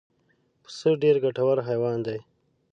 پسه ډېر ګټور حیوان دی.